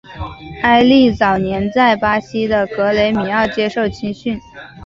埃利早年在巴西的格雷米奥接受青训。